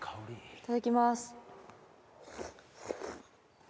いただきます。